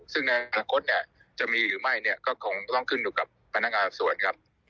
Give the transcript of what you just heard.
ซึ่งในลักษณ์ก็จะมีหรือไม่ก็คงต้องขึ้นอยู่กับพนักงานส่วนครับ